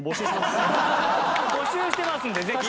募集してますんでぜひ。